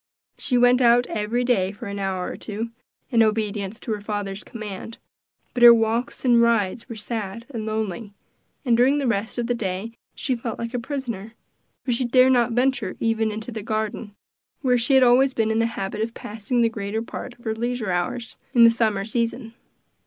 She went out every day for an hour or two, in obedience to her father's command, but her walks and rides were sad and lonely; and during the rest of the day she felt like a prisoner, for she dared not venture even into the garden, where she had always been in the habit of passing the greater part of her leisure hours, in the summer season.